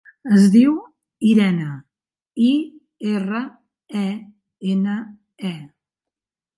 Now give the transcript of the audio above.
Es diu Irene: i, erra, e, ena, e.